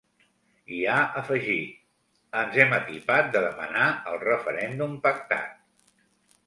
I ha afegit: Ens hem atipat de demanar el referèndum pactat.